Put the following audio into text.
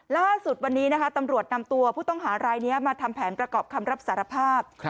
ล่าสุดวันนี้นะคะตำรวจนำตัวผู้ต้องหารายนี้มาทำแผนประกอบคำรับสารภาพ